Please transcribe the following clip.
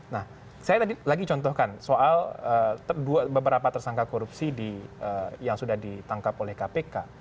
nah saya tadi lagi contohkan soal beberapa tersangka korupsi yang sudah ditangkap oleh kpk